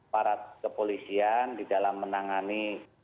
parat kepolisian di dalam menangani